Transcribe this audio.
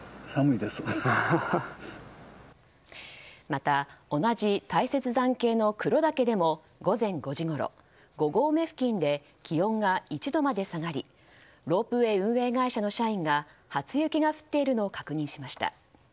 また、同じ大雪山系の黒岳でも午前５時ごろ、５合目付近で気温が１度まで下がりロープウェー運営会社の社員が初雪が降っているのを確認しました。